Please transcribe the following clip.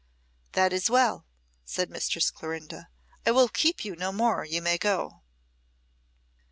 "That is well," said Mistress Clorinda. "I will keep you no more. You may go."